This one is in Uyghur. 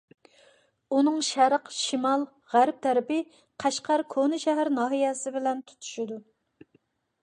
ئۇنىڭ شەرق، شىمال، غەرب تەرىپى قەشقەر كوناشەھەر ناھىيەسى بىلەن تۇتىشىدۇ.